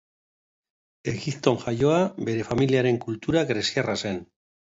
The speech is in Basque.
Egipton jaioa, bere familiaren kultura greziarra zen.